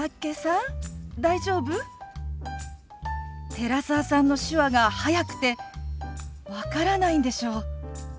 寺澤さんの手話が速くて分からないんでしょ。